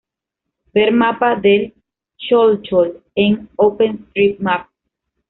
Ver mapa de Cholchol en OpenstreetMap.